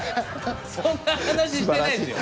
そんな話してないでしょ！